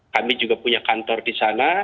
kami juga punya kantor disana